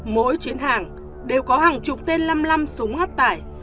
mỗi chuyến hàng đều có hàng chục tên năm mươi năm súng hấp tải